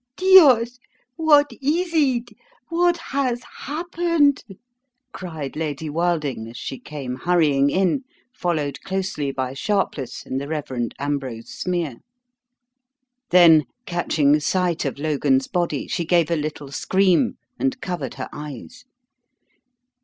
"Dios! what is it? What has happened?" cried Lady Wilding as she came hurrying in, followed closely by Sharpless and the Rev. Ambrose Smeer. Then, catching sight of Logan's body, she gave a little scream and covered her eyes.